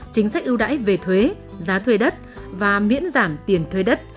chính sách ưu đãi về thuế giá thuê đất và miễn giảm tiền thuê đất